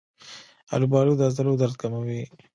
آلوبالو د عضلو درد کموي.